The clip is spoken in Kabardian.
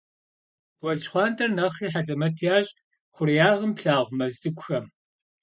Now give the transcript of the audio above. Гуэл ЩхъуантӀэр нэхъри хьэлэмэт ящӀ хъуреягъым плъагъу мэз цӀыкӀухэм.